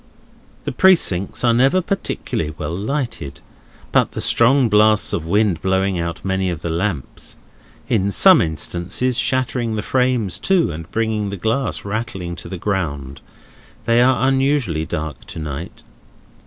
The Precincts are never particularly well lighted; but the strong blasts of wind blowing out many of the lamps (in some instances shattering the frames too, and bringing the glass rattling to the ground), they are unusually dark to night.